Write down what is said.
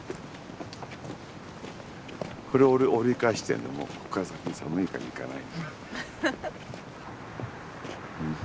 これ折り返してるのもうこっから先寒いから行かない。